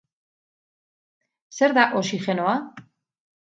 Zer da oxigenoa?